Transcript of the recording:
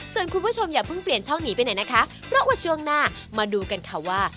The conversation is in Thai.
ส่วนคุณผู้ชมอย่าเพิ่งเปลี่ยนช่องหนีไปไหนนะคะเพราะว่าช่วงหน้ามาดูกันค่ะว่า